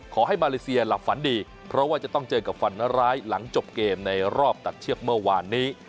มาเลเซียหลับฝันดีเพราะว่าจะต้องเจอกับฝันร้ายหลังจบเกมในรอบตัดเชือกเมื่อวานนี้